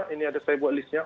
ini ada saya buat listnya